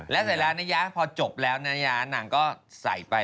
แล้วเสร็จแล้วนะยะพอจบแล้วนะยะนางก็ใส่ไป